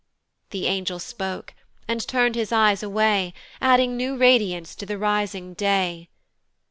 The angel spoke, and turn'd his eyes away, Adding new radiance to the rising day.